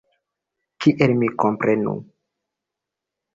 Kiel mi komprenu?